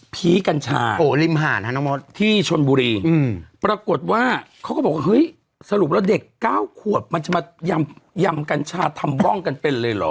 ปรากฏว่าเขาก็บอกเฮ้ยสรุปแล้วเด็กเก้าขวบมันจะมายำกัญชาธรรมบ้องกันเป็นเลยเหรอ